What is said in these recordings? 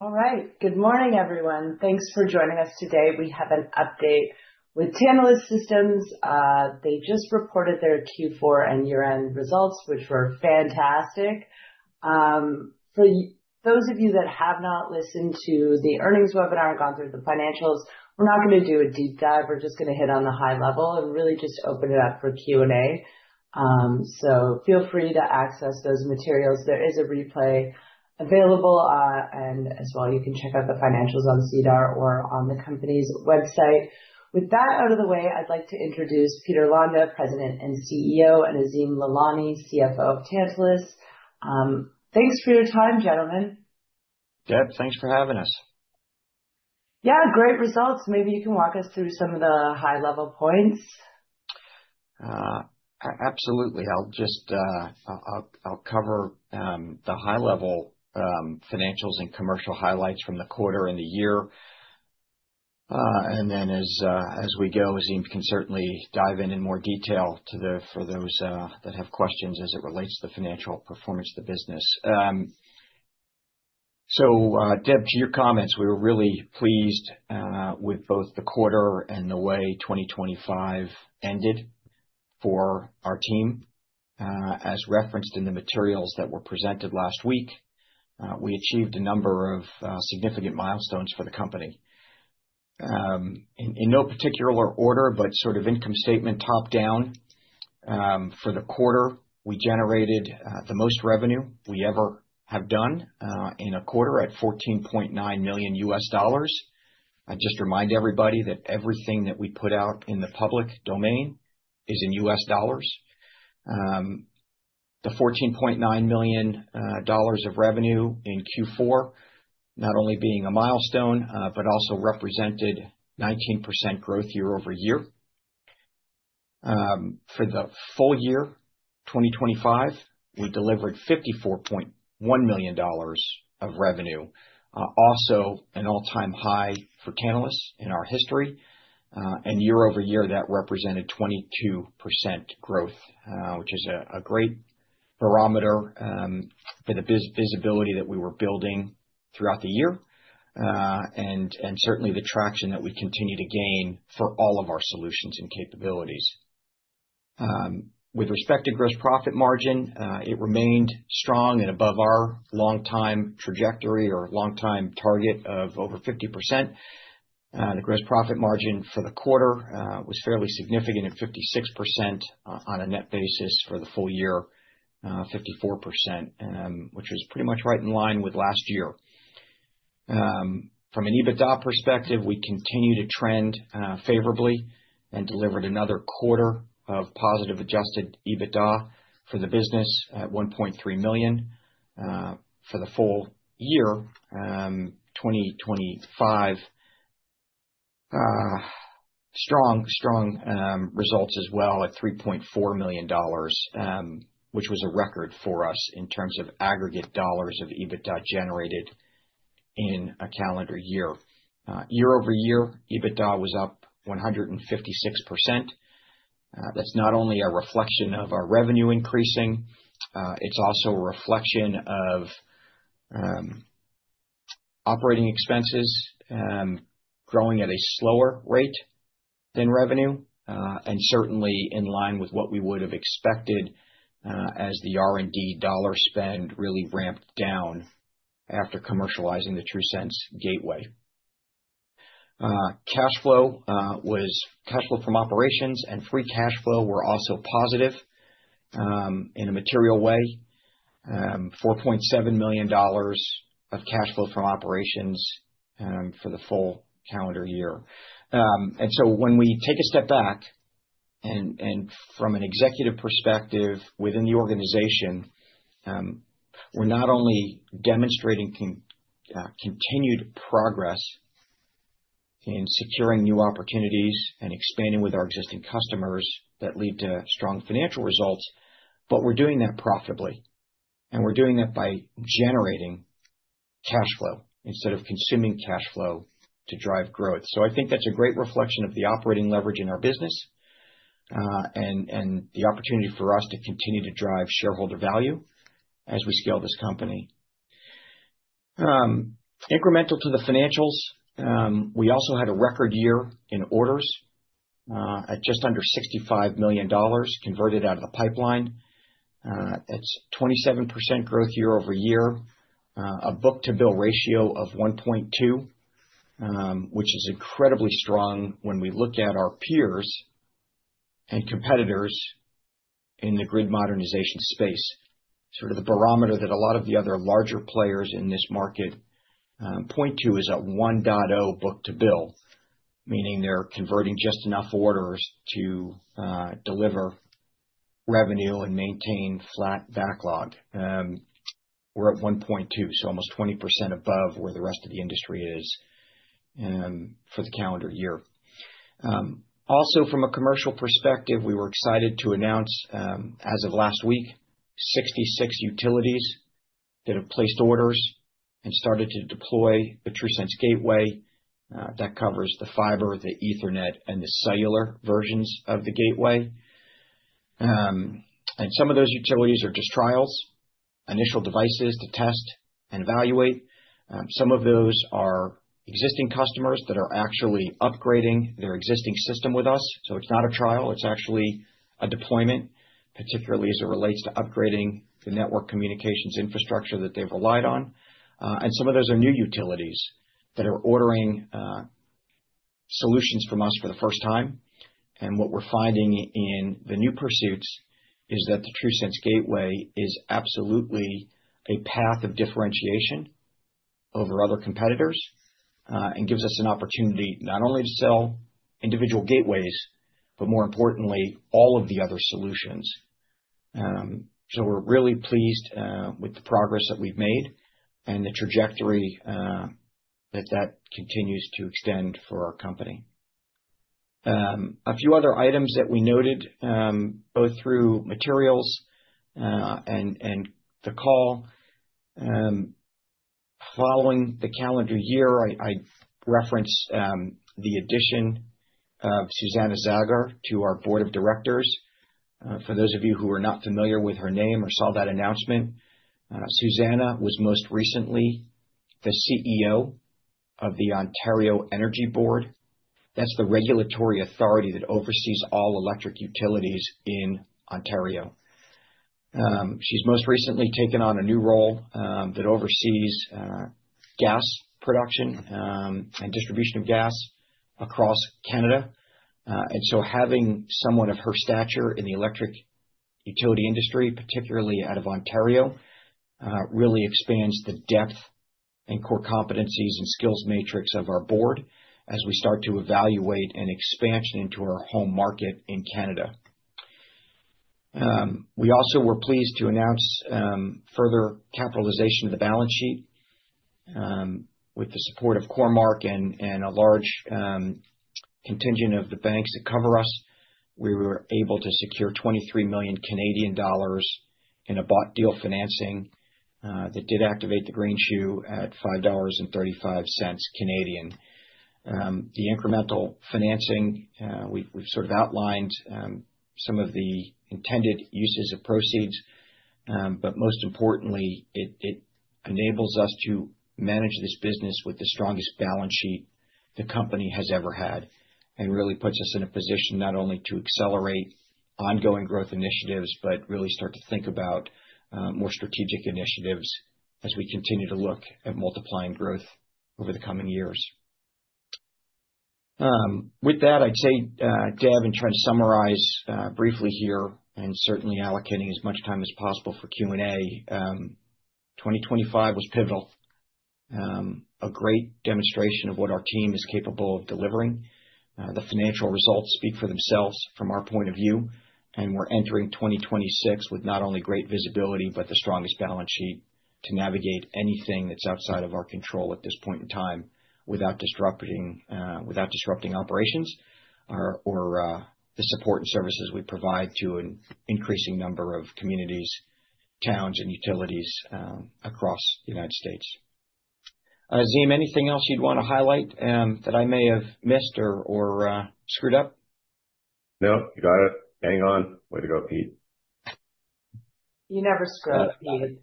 All right. Good morning, everyone. Thanks for joining us today. We have an update with Tantalus Systems. They just reported their Q4 and year-end results, which were fantastic. For those of you that have not listened to the earnings webinar or gone through the financials, we're not gonna do a deep dive. We're just gonna hit on the high level and really just open it up for Q&A. Feel free to access those materials. There is a replay available, and as well, you can check out the financials on SEDAR or on the company's website. With that out of the way, I'd like to introduce Peter Londa, President and CEO, and Azim Lalani, CFO of Tantalus Systems. Thanks for your time, gentlemen. Deb, thanks for having us. Yeah, great results. Maybe you can walk us through some of the high-level points. Absolutely. I'll just cover the high-level financials and commercial highlights from the quarter and the year. Then as we go, Azim can certainly dive in more detail for those that have questions as it relates to the financial performance of the business. Deb, to your comments, we were really pleased with both the quarter and the way 2025 ended for our team. As referenced in the materials that were presented last week, we achieved a number of significant milestones for the company. In no particular order, but sort of income statement top-down, for the quarter, we generated the most revenue we ever have done in a quarter at $14.9 million. I just remind everybody that everything that we put out in the public domain is in U.S. dollars. The $14.9 million of revenue in Q4 not only being a milestone, but also represented 19% growth year-over-year. For the full year 2025, we delivered $54.1 million of revenue, also an all-time high for Tantalus in our history. Year-over-year, that represented 22% growth, which is a great barometer for the visibility that we were building throughout the year, and certainly the traction that we continue to gain for all of our solutions and capabilities. With respect to gross profit margin, it remained strong and above our long-time trajectory or long-time target of over 50%. The gross profit margin for the quarter was fairly significant at 56% on a net basis for the full year, 54%, which was pretty much right in line with last year. From an EBITDA perspective, we continue to trend favorably and delivered another quarter of positive adjusted EBITDA for the business at $1.3 million. For the full year 2025, strong results as well at $3.4 million, which was a record for us in terms of aggregate dollars of EBITDA generated in a calendar year. Year-over-year, EBITDA was up 156%. That's not only a reflection of our revenue increasing, it's also a reflection of, operating expenses, growing at a slower rate than revenue, and certainly in line with what we would have expected, as the R&D dollar spend really ramped down after commercializing the TRUSense Gateway. Cash flow from operations and free cash flow were also positive, in a material way. $4.7 million of cash flow from operations, for the full calendar year. When we take a step back, and from an executive perspective within the organization, we're not only demonstrating continued progress in securing new opportunities and expanding with our existing customers that lead to strong financial results, but we're doing that profitably. We're doing that by generating cash flow instead of consuming cash flow to drive growth. I think that's a great reflection of the operating leverage in our business, and the opportunity for us to continue to drive shareholder value as we scale this company. Incremental to the financials, we also had a record year in orders, at just under $65 million converted out of the pipeline. That's 27% growth year-over-year. A book-to-bill ratio of 1.2, which is incredibly strong when we look at our peers and competitors in the grid modernization space. Sort of the barometer that a lot of the other larger players in this market point to is a 1.0 book-to-bill, meaning they're converting just enough orders to deliver revenue and maintain flat backlog. We're at 1.2, so almost 20% above where the rest of the industry is, for the calendar year. Also from a commercial perspective, we were excited to announce, as of last week, 66 utilities that have placed orders and started to deploy the TRUSense Gateway, that covers the fiber, the Ethernet, and the cellular versions of the gateway. Some of those utilities are just trials, initial devices to test and evaluate. Some of those are existing customers that are actually upgrading their existing system with us. It's not a trial, it's actually a deployment, particularly as it relates to upgrading the network communications infrastructure that they've relied on. Some of those are new utilities that are ordering solutions from us for the first time. What we're finding in the new pursuits is that the TRUSense gateway is absolutely a path of differentiation over other competitors, and gives us an opportunity not only to sell individual gateways, but more importantly, all of the other solutions. We're really pleased with the progress that we've made and the trajectory that continues to extend for our company. A few other items that we noted both through materials and the call following the calendar year, I referenced the addition of Susanna Zagar to our board of directors. For those of you who are not familiar with her name or saw that announcement, Susanna was most recently the CEO of the Ontario Energy Board. That's the regulatory authority that oversees all electric utilities in Ontario. She's most recently taken on a new role that oversees gas production and distribution of gas across Canada. Having someone of her stature in the electric utility industry, particularly out of Ontario, really expands the depth and core competencies and skills matrix of our board as we start to evaluate an expansion into our Home Market in Canada. We also were pleased to announce further capitalization of the balance sheet with the support of Cormark and a large contingent of the banks that cover us. We were able to secure 23 million Canadian dollars in a bought deal financing that did activate the greenshoe at 5.35 Canadian dollars. The incremental financing, we've sort of outlined some of the intended uses of proceeds, but most importantly, it enables us to manage this business with the strongest balance sheet the company has ever had and really puts us in a position not only to accelerate ongoing growth initiatives, but really start to think about more strategic initiatives as we continue to look at multiplying growth over the coming years. With that, I'd say, Deb, and try to summarize briefly here and certainly allocating as much time as possible for Q&A. 2025 was pivotal. A great demonstration of what our team is capable of delivering. The financial results speak for themselves from our point of view, and we're entering 2026 with not only great visibility, but the strongest balance sheet to navigate anything that's outside of our control at this point in time without disrupting operations or the support and services we provide to an increasing number of communities, towns and utilities across the United States. Azim, anything else you'd wanna highlight that I may have missed or screwed up? No, you got it. Bang on. Way to go, Pete. You never screw up, Peter.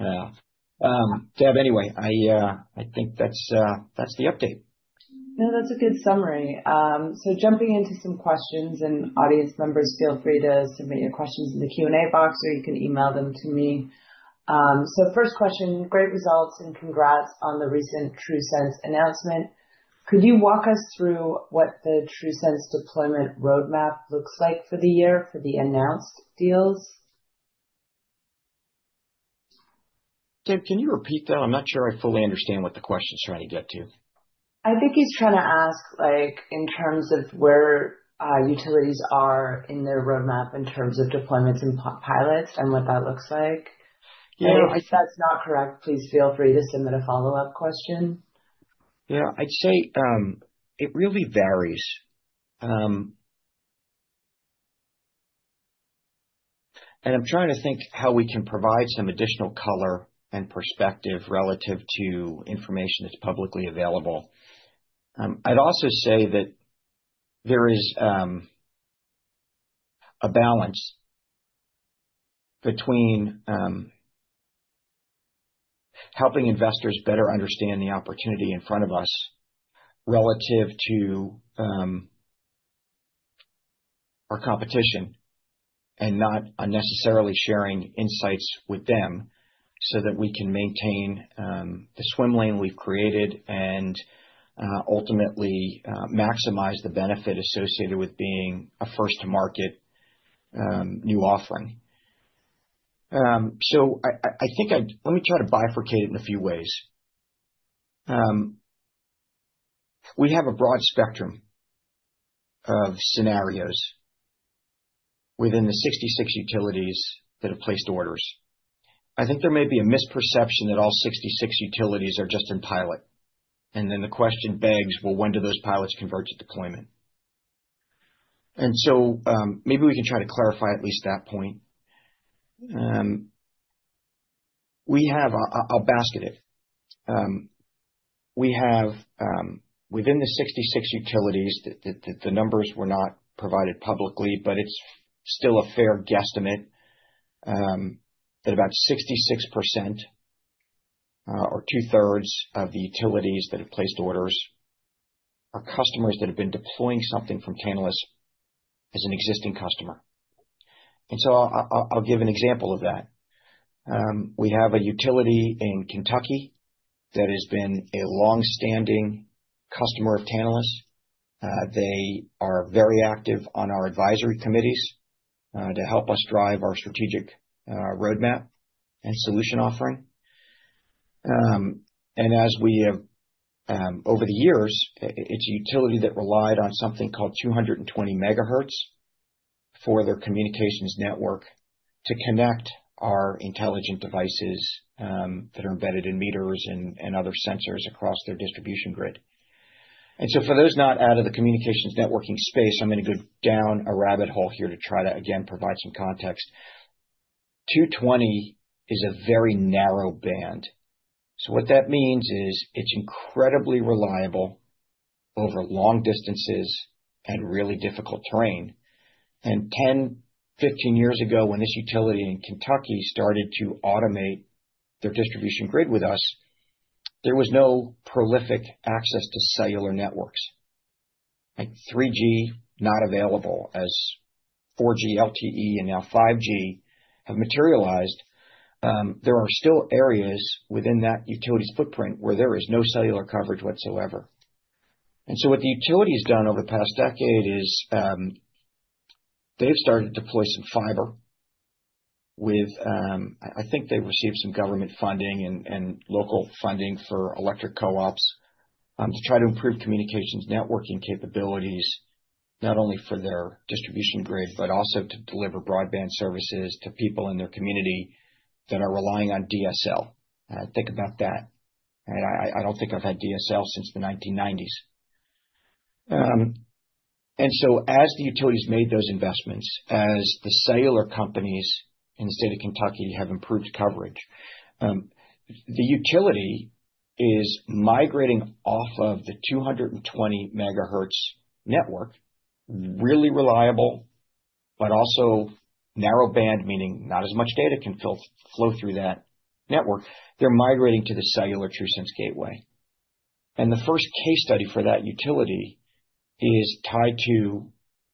Well, Deb, anyway, I think that's the update. No, that's a good summary. Jumping into some questions, and audience members, feel free to submit your questions in the Q&A box, or you can email them to me. First question, great results and congrats on the recent TRUSense announcement. Could you walk us through what the TRUSense deployment roadmap looks like for the year for the announced deals? Deb, can you repeat that? I'm not sure I fully understand what the question's trying to get to. I think he's trying to ask, like, in terms of where utilities are in their roadmap in terms of deployments and pilots and what that looks like. Yeah. If that's not correct, please feel free to submit a follow-up question. Yeah. I'd say it really varies. I'm trying to think how we can provide some additional color and perspective relative to information that's publicly available. I'd also say that there is a balance between helping investors better understand the opportunity in front of us relative to our competition and not unnecessarily sharing insights with them so that we can maintain the swim lane we've created and ultimately maximize the benefit associated with being a first to market new offering. I think let me try to bifurcate it in a few ways. We have a broad spectrum of scenarios within the 66 utilities that have placed orders. I think there may be a misperception that all 66 utilities are just in pilot. The question begs, well, when do those pilots convert to deployment? Maybe we can try to clarify at least that point. We have, I'll basket it. We have within the 66 utilities, the numbers were not provided publicly, but it's still a fair guesstimate that about 66% or two-thirds of the utilities that have placed orders are customers that have been deploying something from Tantalus as an existing customer. I'll give an example of that. We have a utility in Kentucky that has been a long-standing customer of Tantalus. They are very active on our advisory committees to help us drive our strategic roadmap and solution offering. As we have over the years, it's a utility that relied on something called 220 MHz for their communications network to connect our intelligent devices that are embedded in meters and other sensors across their distribution grid. For those not in the communications networking space, I'm gonna go down a rabbit hole here to try to again provide some context. 220 is a very narrow band. What that means is it's incredibly reliable over long distances and really difficult terrain. 10, 15 years ago, when this utility in Kentucky started to automate their distribution grid with us, there was no prolific access to cellular networks. Like 3G, not available. As 4G LTE and now 5G have materialized, there are still areas within that utility's footprint where there is no cellular coverage whatsoever. What the utility has done over the past decade is, they've started to deploy some fiber with, I think they received some government funding and local funding for electric co-ops, to try to improve communications networking capabilities, not only for their distribution grid, but also to deliver broadband services to people in their community that are relying on DSL. Think about that. I don't think I've had DSL since the 1990s. As the utilities made those investments, as the cellular companies in the state of Kentucky have improved coverage, the utility is migrating off of the 220 MHz network, really reliable, but also narrow band, meaning not as much data can flow through that network. They're migrating to the cellular TRUSense Gateway. The first case study for that utility is tied to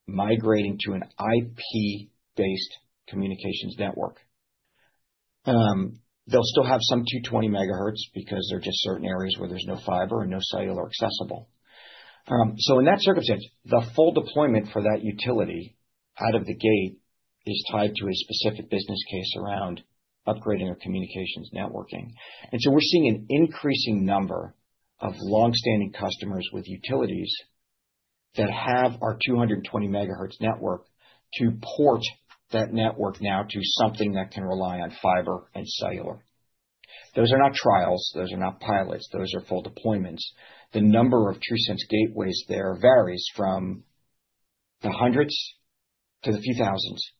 migrating to an IP-based communications network. They'll still have some 220 MHz because there are just certain areas where there's no fiber and no cellular accessible. In that circumstance, the full deployment for that utility out of the gate is tied to a specific business case around upgrading their communications networking. We're seeing an increasing number of long-standing customers with utilities that have our 220 MHz network to port that network now to something that can rely on fiber and cellular. Those are not trials, those are not pilots, those are full deployments. The number of TRUSense Gateways there varies from the hundreds to the few thousands.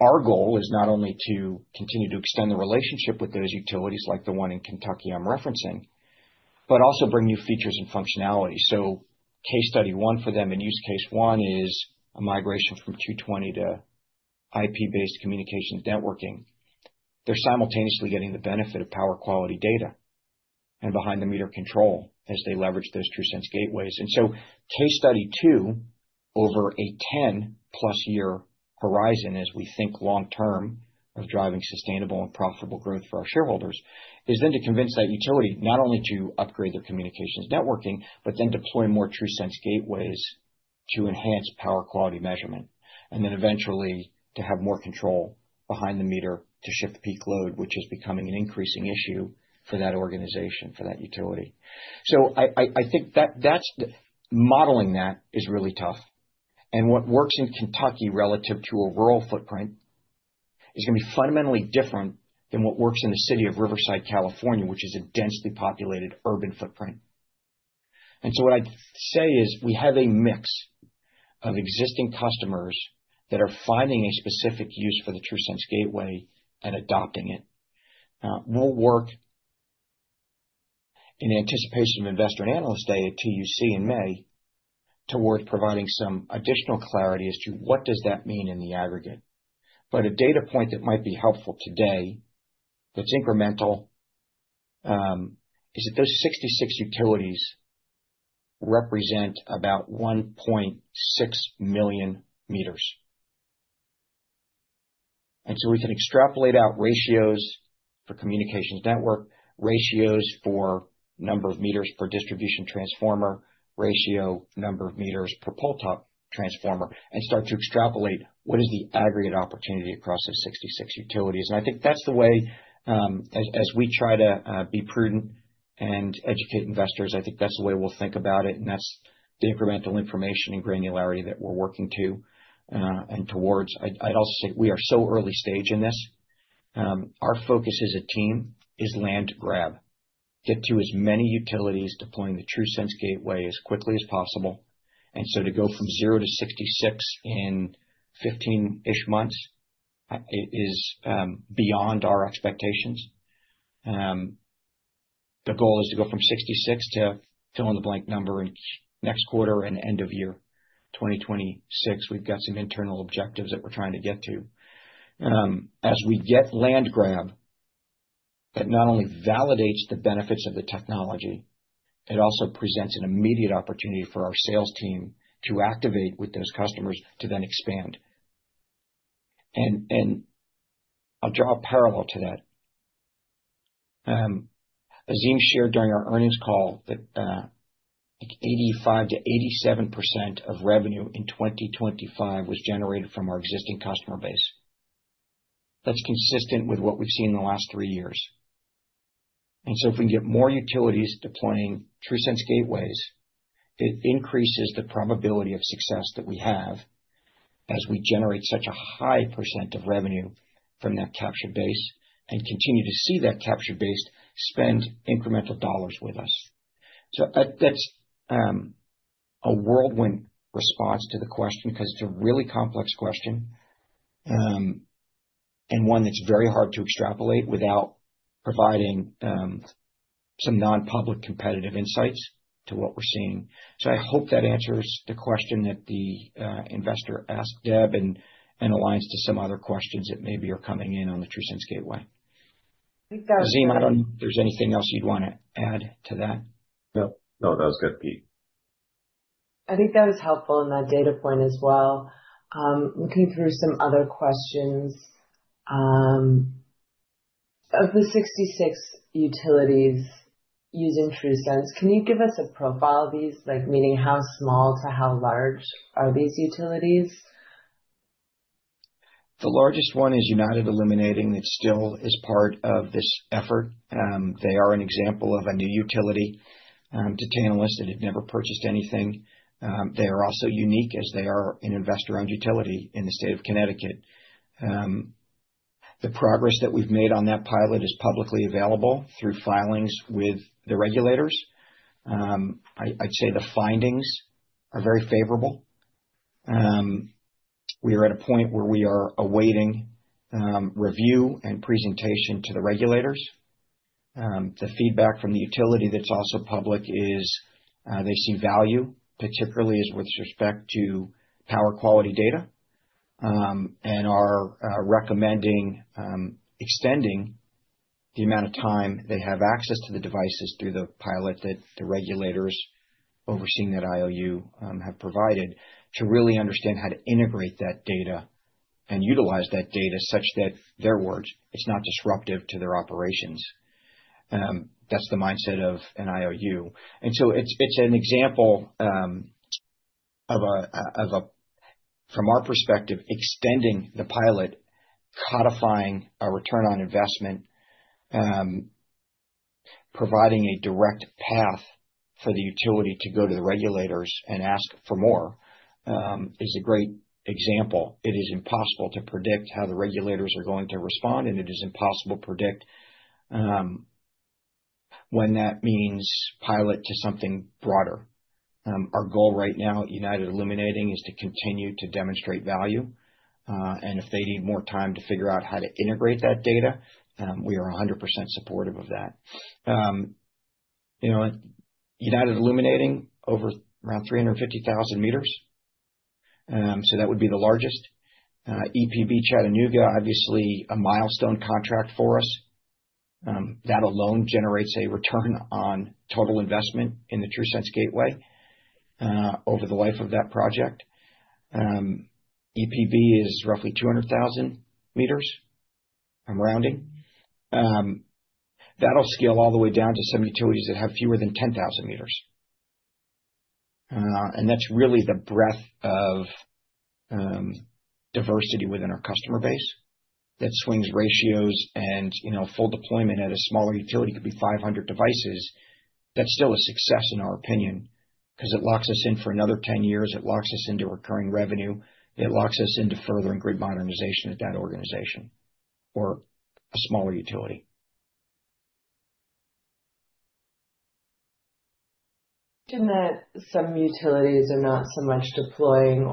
Our goal is not only to continue to extend the relationship with those utilities like the one in Kentucky I'm referencing, but also bring new features and functionality. Case study one for them, and use case one is a migration from 220 to IP-based communications networking. They're simultaneously getting the benefit of power quality data and behind the meter control as they leverage those TRUSense Gateways. Case study two, over a 10+ year horizon as we think long term of driving sustainable and profitable growth for our shareholders, is then to convince that utility not only to upgrade their communications networking, but then deploy more TRUSense Gateways to enhance power quality measurement, and then eventually to have more control behind the meter to shift peak load, which is becoming an increasing issue for that organization, for that utility. I think that's the modeling that is really tough. What works in Kentucky relative to a rural footprint is gonna be fundamentally different than what works in the city of Riverside, California, which is a densely populated urban footprint. What I'd say is we have a mix of existing customers that are finding a specific use for the TRUSense Gateway and adopting it. We'll work in anticipation of Investor and Analyst Day at TUC in May towards providing some additional clarity as to what does that mean in the aggregate. A data point that might be helpful today that's incremental is that those 66 utilities represent about 1.6 million m. We can extrapolate out ratios for communications network, ratios for number of meters per distribution transformer, ratio number of meters per pole top transformer, and start to extrapolate what is the aggregate opportunity across those 66 utilities. I think that's the way, as we try to be prudent and educate investors, I think that's the way we'll think about it, and that's the incremental information and granularity that we're working to, and towards. I'd also say we are so early stage in this. Our focus as a team is land grab. Get to as many utilities deploying the TRUSense Gateway as quickly as possible. To go from zero to 66 in 15-ish months is beyond our expectations. The goal is to go from 66 to fill-in-the-blank number in next quarter and end of year 2026. We've got some internal objectives that we're trying to get to. As we get land grab, it not only validates the benefits of the technology, it also presents an immediate opportunity for our sales team to activate with those customers to then expand. I'll draw a parallel to that. Azim shared during our earnings call that 85%-87% of revenue in 2025 was generated from our existing customer base. That's consistent with what we've seen in the last three years. If we can get more utilities deploying TRUSense Gateways, it increases the probability of success that we have as we generate such a high percent of revenue from that customer base and continue to see that customer base spend incremental dollars with us. That's a whirlwind response to the question because it's a really complex question, and one that's very hard to extrapolate without providing some non-public competitive insights to what we're seeing. I hope that answers the question that the investor asked, Deb, and aligns to some other questions that maybe are coming in on the TRUSense Gateway. Azim, I don't know if there's anything else you'd want to add to that. No, that was good, Pete. I think that was helpful in that data point as well. Looking through some other questions. Of the 66 utilities using TRUSense, can you give us a profile of these? Like, meaning how small to how large are these utilities? The largest one is United Illuminating that still is part of this effort. They are an example of a new utility to Tantalus that had never purchased anything. They are also unique as they are an investor-owned utility in the state of Connecticut. The progress that we've made on that pilot is publicly available through filings with the regulators. I'd say the findings are very favorable. We are at a point where we are awaiting review and presentation to the regulators. The feedback from the utility that's also public is, they see value, particularly as with respect to power quality data, and are recommending extending the amount of time they have access to the devices through the pilot that the regulators overseeing that IOU have provided to really understand how to integrate that data and utilize that data such that, their words, it's not disruptive to their operations. That's the mindset of an IOU. It's an example from our perspective, extending the pilot, codifying our return on investment, providing a direct path for the utility to go to the regulators and ask for more, is a great example. It is impossible to predict how the regulators are going to respond, and it is impossible to predict when that means pilot to something broader. Our goal right now at United Illuminating is to continue to demonstrate value, and if they need more time to figure out how to integrate that data, we are 100% supportive of that. You know, at United Illuminating over around 350,000 m, so that would be the largest. EPB of Chattanooga, obviously a milestone contract for us. That alone generates a return on total investment in the TRUSense Gateway over the life of that project. EPB is roughly 200,000 m. I'm rounding. That'll scale all the way down to some utilities that have fewer than 10,000 m. That's really the breadth of diversity within our customer base that swings ratios. You know, full deployment at a smaller utility could be 500 devices. That's still a success in our opinion, because it locks us in for another 10 years. It locks us into recurring revenue. It locks us into furthering grid modernization at that organization for a smaller utility. Peter Londa, some utilities are not so much trialing,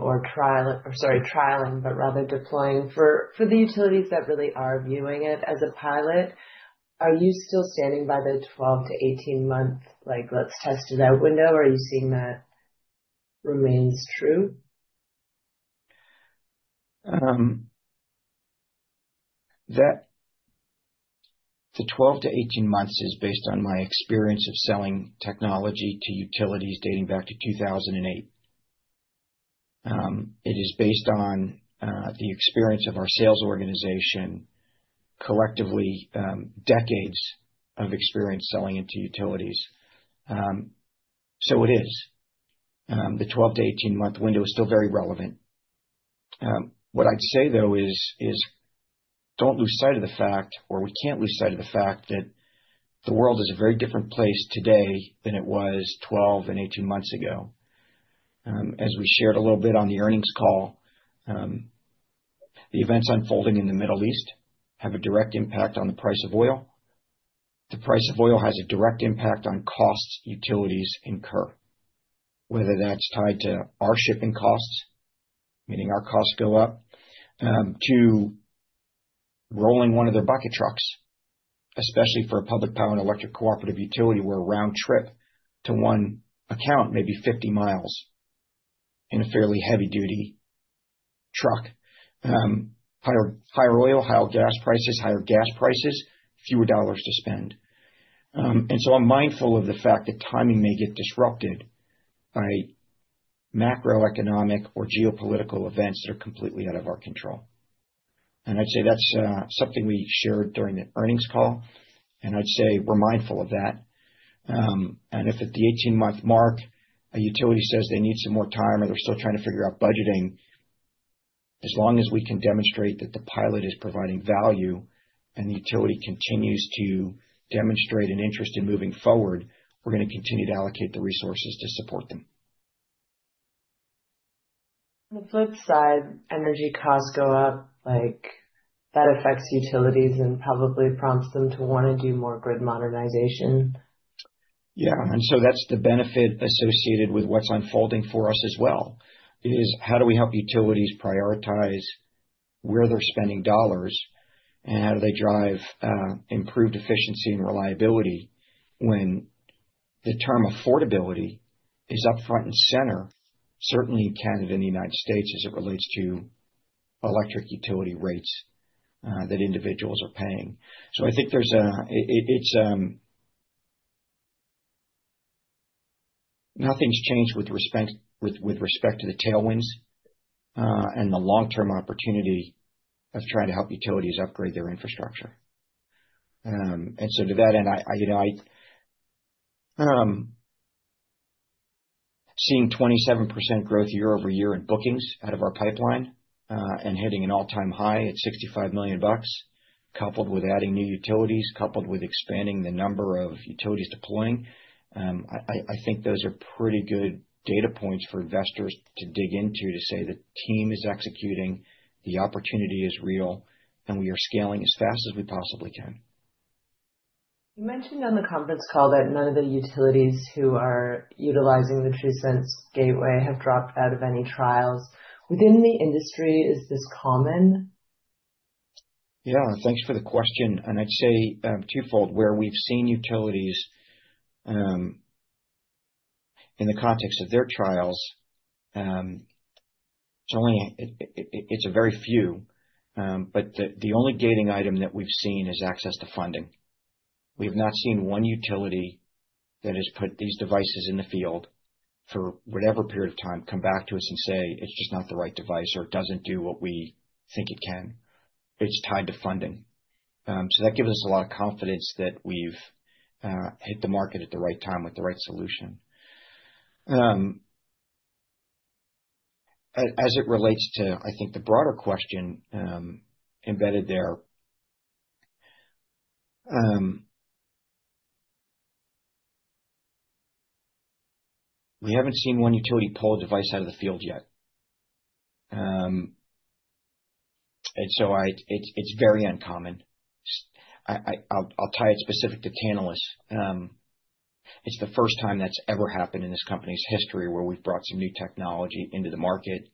but rather deploying. For the utilities that really are viewing it as a pilot, are you still standing by the 12-18 month, like let's test it out window, or are you seeing that remains true? The 12-18 months is based on my experience of selling technology to utilities dating back to 2008. It is based on the experience of our sales organization, collectively, decades of experience selling into utilities. It is. The 12-18 month window is still very relevant. What I'd say, though, is don't lose sight of the fact, or we can't lose sight of the fact that the world is a very different place today than it was 12 and 18 months ago. As we shared a little bit on the earnings call, the events unfolding in the Middle East have a direct impact on the price of oil. The price of oil has a direct impact on costs utilities incur, whether that's tied to our shipping costs, meaning our costs go up to rolling one of their bucket trucks, especially for a public power and electric cooperative utility, where a round trip to one account may be 50 mi in a fairly heavy-duty truck. Higher oil, higher gas prices, fewer dollars to spend. I'm mindful of the fact that timing may get disrupted by macroeconomic or geopolitical events that are completely out of our control. I'd say that's something we shared during the earnings call, and I'd say we're mindful of that. If at the 18-month mark, a utility says they need some more time or they're still trying to figure out budgeting, as long as we can demonstrate that the pilot is providing value and the utility continues to demonstrate an interest in moving forward, we're gonna continue to allocate the resources to support them. On the flip side, energy costs go up, like that affects utilities and probably prompts them to wanna do more grid modernization. That's the benefit associated with what's unfolding for us as well, is how do we help utilities prioritize where they're spending dollars, and how do they drive improved efficiency and reliability when the term affordability is up front and center, certainly in Canada and the United States as it relates to electric utility rates that individuals are paying. I think nothing's changed with respect to the tailwinds and the long-term opportunity of trying to help utilities upgrade their infrastructure. To that end, Seeing 27% growth year-over-year in bookings out of our pipeline, and hitting an all-time high at $65 million, coupled with adding new utilities, coupled with expanding the number of utilities deploying, I think those are pretty good data points for investors to dig into to say the team is executing, the opportunity is real, and we are scaling as fast as we possibly can. You mentioned on the conference call that none of the utilities who are utilizing the TRUSense Gateway have dropped out of any trials. Within the industry, is this common? Yeah. Thanks for the question. I'd say, twofold, where we've seen utilities, in the context of their trials, it's a very few. The only gating item that we've seen is access to funding. We have not seen one utility that has put these devices in the field for whatever period of time, come back to us and say, "It's just not the right device," or, "It doesn't do what we think it can." It's tied to funding. That gives us a lot of confidence that we've hit the market at the right time with the right solution. As it relates to, I think, the broader question, embedded there, we haven't seen one utility pull a device out of the field yet. It's very uncommon. I'll tie it specific to Tantalus. It's the first time that's ever happened in this company's history where we've brought some new technology into the market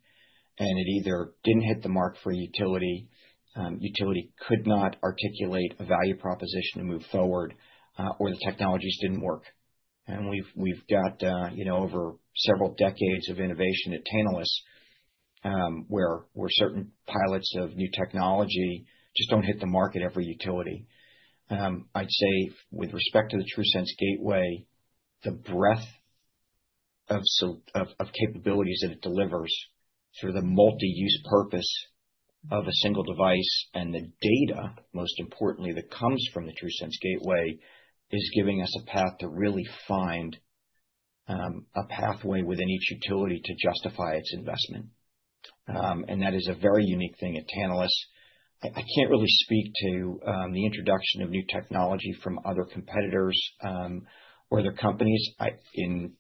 and it either didn't hit the mark for a utility that could not articulate a value proposition to move forward, or the technologies didn't work. We've got, you know, over several decades of innovation at Tantalus, where certain pilots of new technology just don't hit the market every utility. I'd say with respect to the TRUSense Gateway, the breadth of capabilities that it delivers through the multi-use purpose of a single device and the data, most importantly, that comes from the TRUSense Gateway is giving us a path to really find a pathway within each utility to justify its investment. That is a very unique thing at Tantalus. I can't really speak to the introduction of new technology from other competitors or other companies. In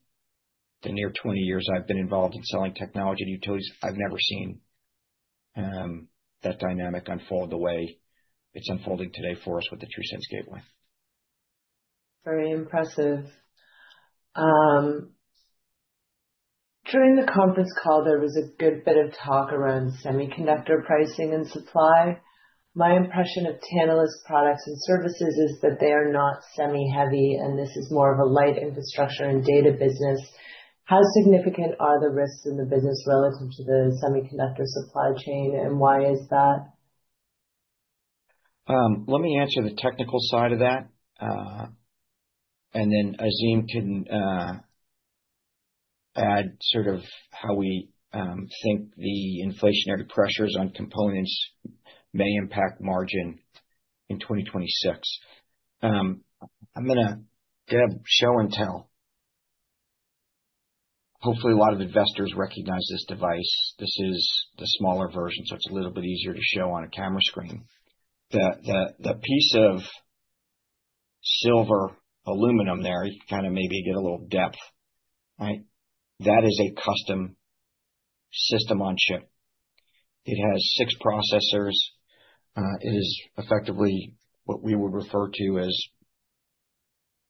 the near 20 years I've been involved in selling technology to utilities, I've never seen that dynamic unfold the way it's unfolding today for us with the TRUSense Gateway. Very impressive. During the conference call, there was a good bit of talk around semiconductor pricing and supply. My impression of Tantalus products and services is that they are not semi-heavy, and this is more of a light infrastructure and data business. How significant are the risks in the business relative to the semiconductor supply chain, and why is that? Let me answer the technical side of that. Azim can add sort of how we think the inflationary pressures on components may impact margin in 2026. I'm gonna do a show and tell. Hopefully, a lot of investors recognize this device. This is the smaller version, so it's a little bit easier to show on a camera screen. The piece of silver aluminum there. You can kind of maybe get a little depth, right? That is a custom system on chip. It has six processors. It is effectively what we would refer to as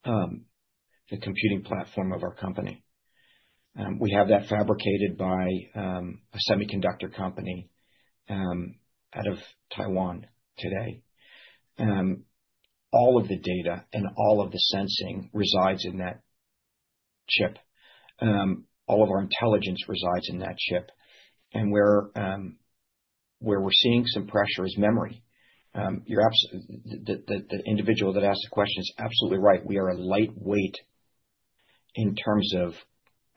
the computing platform of our company. We have that fabricated by a semiconductor company out of Taiwan today. All of the data and all of the sensing resides in that chip. All of our intelligence resides in that chip. Where we're seeing some pressure is memory. You're absolutely right. The individual that asked the question is absolutely right. We are a lightweight in terms of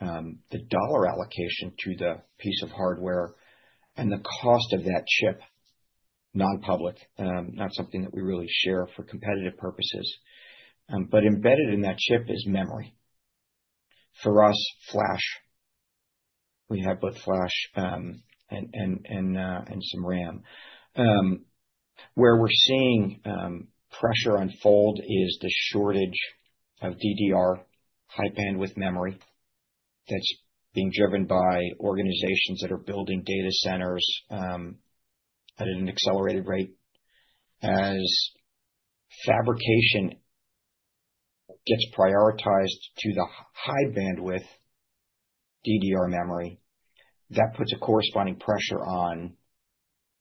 the dollar allocation to the piece of hardware and the cost of that chip, non-public, not something that we really share for competitive purposes. But embedded in that chip is memory. For us, flash. We have both flash and some RAM. Where we're seeing pressure unfold is the shortage of DDR high bandwidth memory that's being driven by organizations that are building data centers at an accelerated rate. As fabrication gets prioritized to the high bandwidth DDR memory, that puts a corresponding pressure on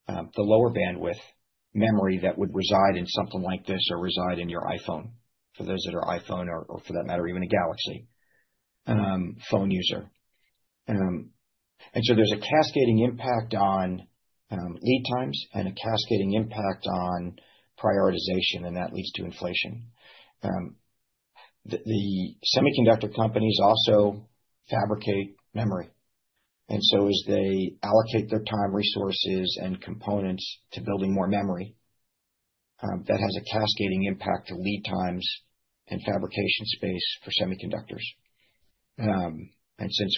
the lower bandwidth memory that would reside in something like this or reside in your iPhone, for those that are iPhone or for that matter, even a Galaxy phone user. There's a cascading impact on lead times and a cascading impact on prioritization, and that leads to inflation. The semiconductor companies also fabricate memory, and so as they allocate their time, resources, and components to building more memory, that has a cascading impact to lead times and fabrication space for semiconductors. Since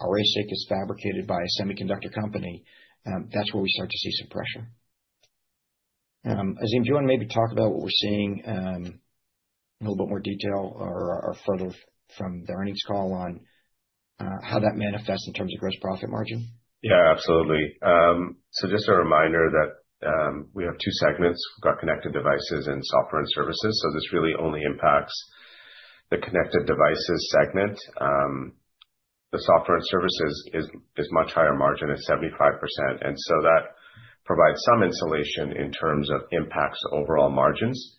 our ASIC is fabricated by a semiconductor company, that's where we start to see some pressure. Azim, do you wanna maybe talk about what we're seeing in a little bit more detail or further from the earnings call on how that manifests in terms of gross profit margin? Yeah, absolutely. Just a reminder that we have two segments. We've got connected devices and software and services. This really only impacts the connected devices segment. The software and services is much higher margin at 75%, and that provides some insulation in terms of impacts to overall margins.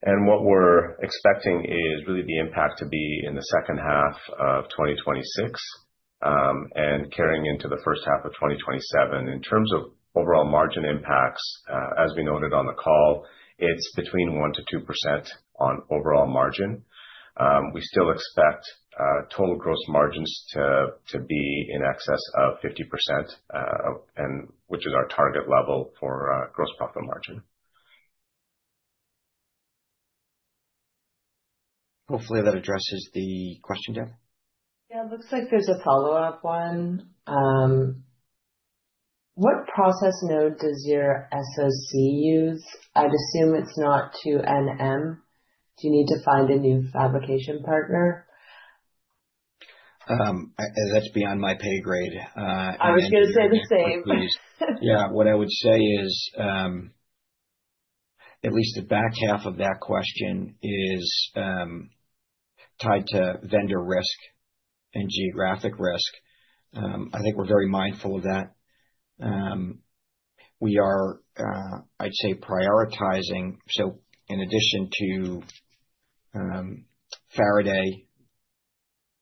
What we're expecting is really the impact to be in the second half of 2026 and carrying into the first half of 2027. In terms of overall margin impacts, as we noted on the call, it's between 1%-2% on overall margin. We still expect total gross margins to be in excess of 50%, which is our target level for gross profit margin. Hopefully that addresses the question, Deb. Yeah. It looks like there's a follow-up one. What process node does your SoC use? I'd assume it's not 2 nm. Do you need to find a new fabrication partner? That's beyond my pay grade. I was gonna say the same. Yeah. What I would say is, at least the back half of that question is, tied to vendor risk and geographic risk. I think we're very mindful of that. We are, I'd say prioritizing. In addition to, Faraday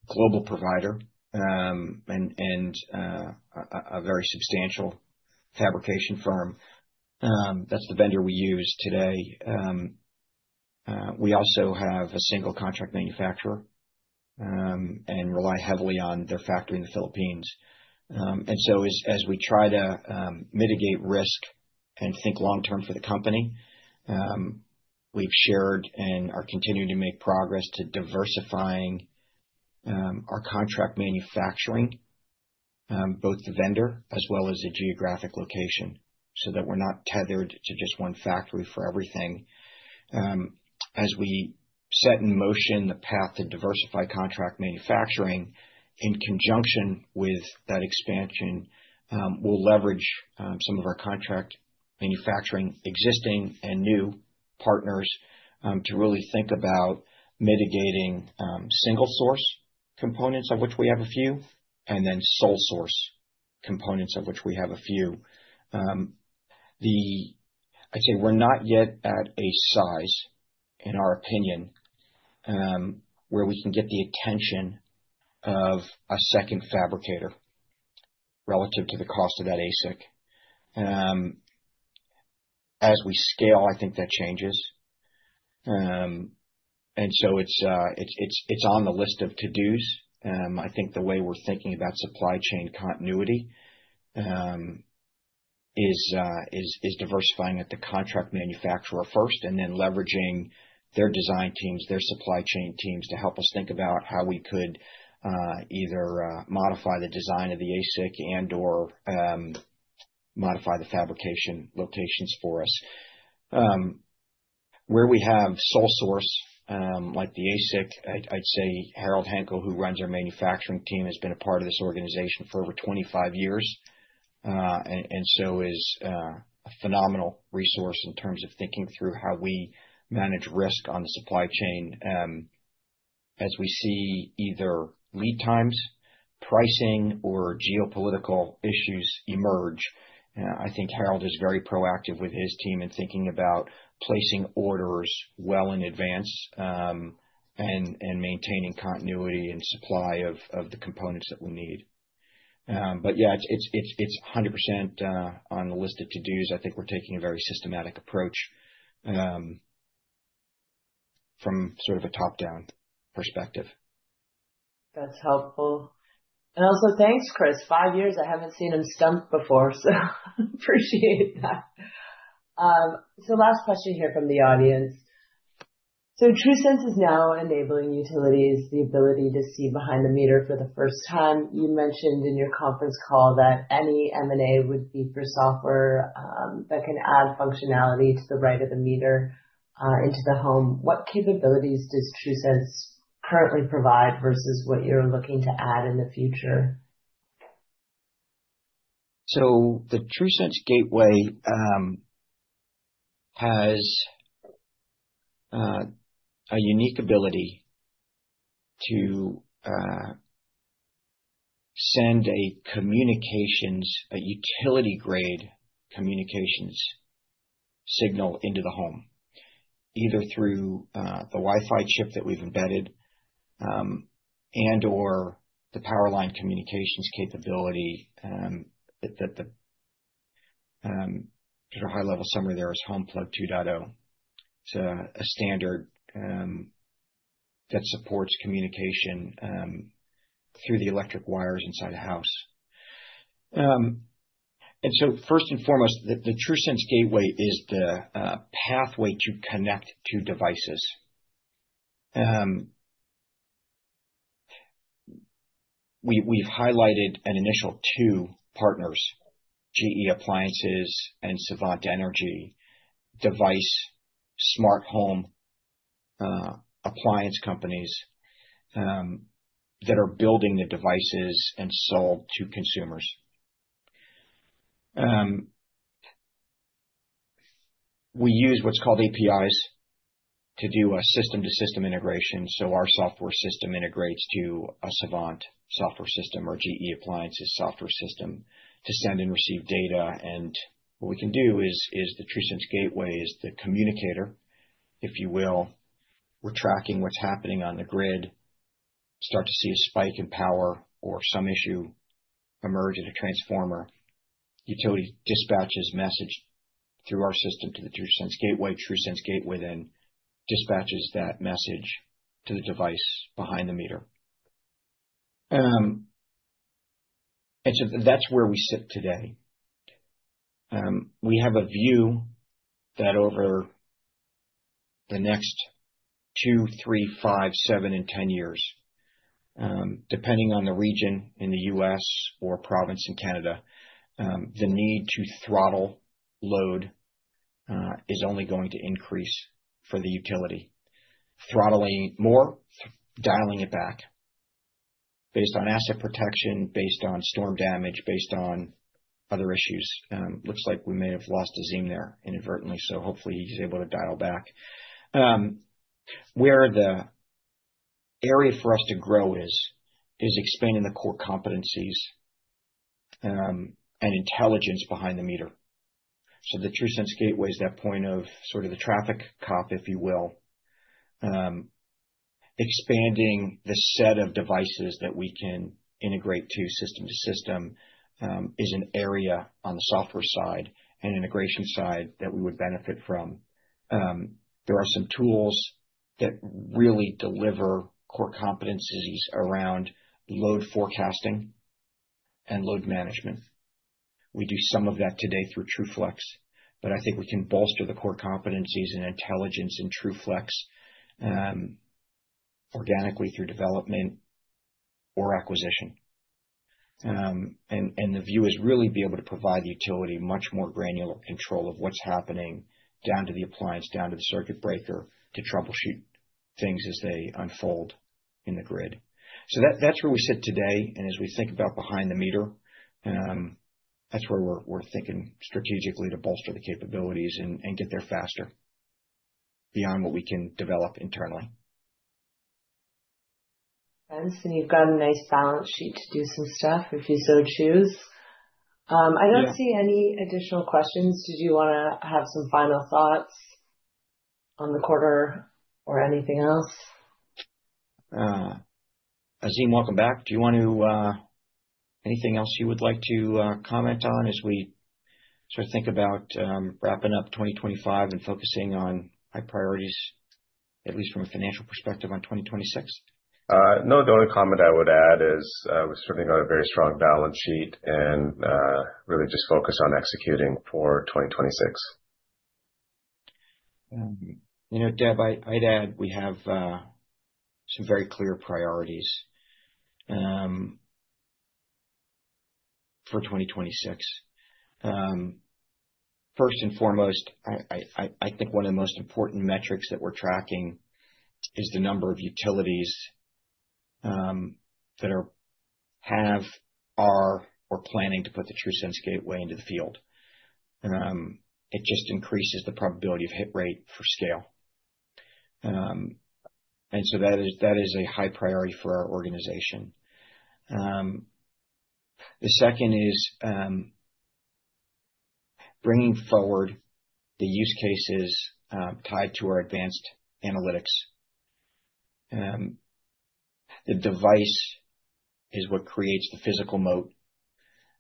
Technology Corporation, and a very substantial fabrication firm, that's the vendor we use today. We also have a single contract manufacturer, and rely heavily on their factory in the Philippines. As we try to, mitigate risk and think long term for the company, we've shared and are continuing to make progress to diversifying, our contract manufacturing, both the vendor as well as the geographic location, so that we're not tethered to just one factory for everything. As we set in motion the path to diversify contract manufacturing in conjunction with that expansion, we'll leverage some of our contract manufacturing existing and new partners to really think about mitigating single source components of which we have a few, and then sole source components of which we have a few. I'd say we're not yet at a size, in our opinion, where we can get the attention of a second fabricator relative to the cost of that ASIC. As we scale, I think that changes. It's on the list of to-dos. I think the way we're thinking about supply chain continuity is diversifying at the contract manufacturer first and then leveraging their design teams, their supply chain teams to help us think about how we could either modify the design of the ASIC and/or modify the fabrication locations for us. Where we have sole source, like the ASIC, I'd say Harold Hankel, who runs our manufacturing team, has been a part of this organization for over 25 years, and so is a phenomenal resource in terms of thinking through how we manage risk on the supply chain. As we see either lead times, pricing, or geopolitical issues emerge, I think Harold is very proactive with his team in thinking about placing orders well in advance, and maintaining continuity and supply of the components that we need. Yeah, it's 100% on the list of to-dos. I think we're taking a very systematic approach from sort of a top-down perspective. That's helpful. Also, thanks, Chris. Five years I haven't seen him stumped before, so appreciate that. Last question here from the audience. TRUSense is now enabling utilities the ability to see behind the meter for the first time. You mentioned in your conference call that any M&A would be for software that can add functionality to the right of the meter into the home. What capabilities does TRUSense currently provide versus what you're looking to add in the future? The TRUSense Gateway has a unique ability to send a utility-grade communications signal into the home, either through the Wi-Fi chip that we've embedded and/or the power line communications capability that the sort of high-level summary there is HomePlug 2.0. It's a standard that supports communication through the electric wires inside a house. First and foremost, the TRUSense Gateway is the pathway to connect to devices. We've highlighted an initial two partners, GE Appliances and Savant Systems, device smart home appliance companies that are building the devices and sell to consumers. We use what's called APIs to do a system-to-system integration, so our software system integrates to a Savant software system or GE Appliances software system to send and receive data. What we can do is the TRUSense Gateway is the communicator, if you will. We're tracking what's happening on the grid to start to see a spike in power or some issue emerge at a transformer. Utility dispatches message through our system to the TRUSense Gateway. TRUSense Gateway then dispatches that message to the device behind the meter. That's where we sit today. We have a view that over the next two, three, five, seven and 10 years, depending on the region in the U.S. or province in Canada, the need to throttle load is only going to increase for the utility. Throttling more, dialing it back based on asset protection, based on storm damage, based on other issues. Looks like we may have lost Azim there inadvertently, so hopefully he's able to dial back. Where the area for us to grow is expanding the core competencies and intelligence behind the meter. The TRUSense Gateway is that point of sort of the traffic cop, if you will. Expanding the set of devices that we can integrate system to system is an area on the software side and integration side that we would benefit from. There are some tools that really deliver core competencies around load forecasting and load management. We do some of that today through TRUFlex, but I think we can bolster the core competencies and intelligence in TRUFlex organically through development or acquisition. The view is really be able to provide the utility much more granular control of what's happening down to the appliance, down to the circuit breaker to troubleshoot things as they unfold in the grid. That's where we sit today. As we think about behind the meter, that's where we're thinking strategically to bolster the capabilities and get there faster beyond what we can develop internally. Thanks. You've got a nice balance sheet to do some stuff if you so choose. I don't see any additional questions. Did you wanna have some final thoughts on the quarter or anything else? Azim, welcome back. Anything else you would like to comment on as we sort of think about wrapping up 2025 and focusing on high priorities, at least from a financial perspective, on 2026? No. The only comment I would add is, we're starting on a very strong balance sheet and really just focus on executing for 2026. You know, Deb, I'd add we have some very clear priorities for 2026. First and foremost, I think one of the most important metrics that we're tracking is the number of utilities that have, are, or planning to put the TRUSense Gateway into the field. It just increases the probability of hit rate for scale. That is a high priority for our organization. The second is bringing forward the use cases tied to our advanced analytics. The device is what creates the physical moat.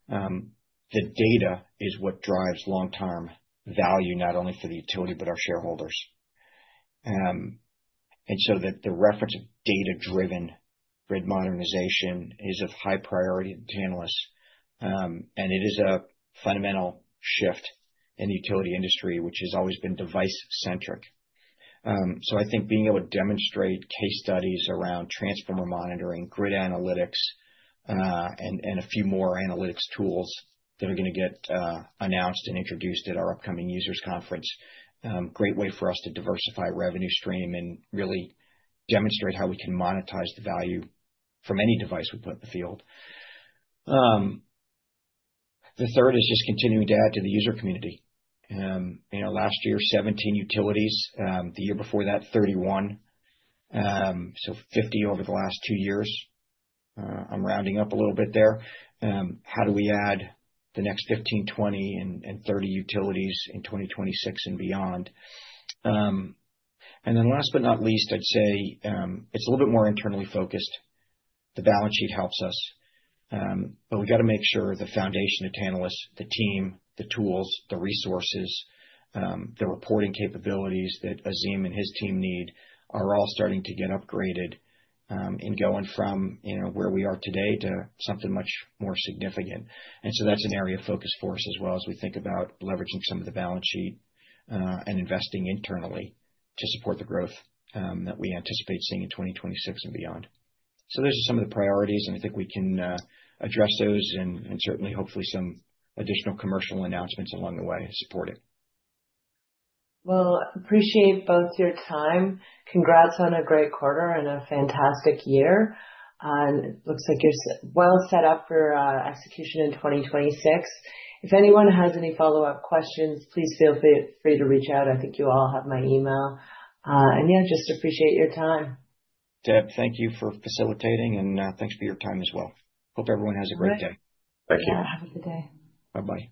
The data is what drives long-term value, not only for the utility but our shareholders. The reference data-driven grid modernization is of high priority to Tantalus. It is a fundamental shift in the utility industry, which has always been device-centric. I think being able to demonstrate case studies around transformer monitoring, grid analytics, and a few more analytics tools that are gonna get announced and introduced at our upcoming Users Conference, great way for us to diversify revenue stream and really demonstrate how we can monetize the value from any device we put in the field. The third is just continuing to add to the user community. You know, last year, 17 utilities. The year before that, 31. 50 over the last two years. I'm rounding up a little bit there. How do we add the next 15, 20 and 30 utilities in 2026 and beyond? last but not least, I'd say, it's a little bit more internally focused. The balance sheet helps us, but we got to make sure the foundation at Tantalus, the Team, the Tools, the Resources, the reporting capabilities that Azim and his team need are all starting to get upgraded, in going from, you know, where we are today to something much more significant. That's an area of focus for us as well as we think about leveraging some of the balance sheet, and investing internally to support the growth that we anticipate seeing in 2026 and beyond. Those are some of the priorities, and I think we can address those and certainly hopefully some additional commercial announcements along the way to support it. Well, appreciate both your time. Congrats on a great quarter and a fantastic year, and it looks like you're well set up for execution in 2026. If anyone has any follow-up questions, please feel free to reach out. I think you all have my email. Yeah, just appreciate your time. Deb, thank you for facilitating and, thanks for your time as well. Hope everyone has a great day. Yeah. Have a good day. Bye-bye.